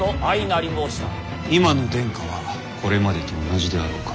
今の殿下はこれまでと同じであろうか。